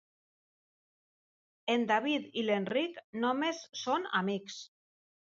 En David i l'Enric només són amics.